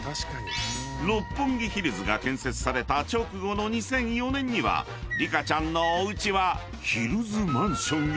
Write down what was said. ［六本木ヒルズが建設された直後の２００４年にはリカちゃんのおうちはヒルズマンションへ］